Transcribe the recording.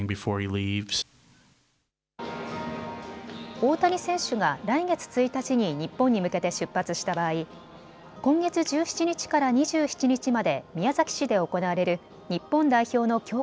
大谷選手が来月１日に日本に向けて出発した場合、今月１７日から２７日まで宮崎市で行われる日本代表の強化